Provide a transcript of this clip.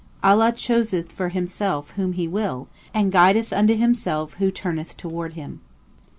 Allah chooseth for Himself whom He will, and guideth unto Himself him who turneth (toward Him).